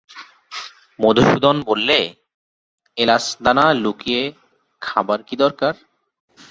মধুসূদন বললে, এলাচদানা লুকিয়ে খাবার কী দরকার?